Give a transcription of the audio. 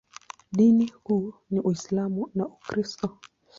Dini kuu ni Uislamu na Ukristo.